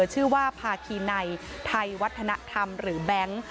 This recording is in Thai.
ชื่อว่าภาคีนัยไทยวัฒนธรรมหรือแบงค์